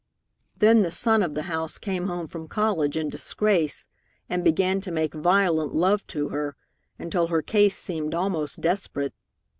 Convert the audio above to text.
Then the son of the house came home from college in disgrace, and began to make violent love to her, until her case seemed almost desperate.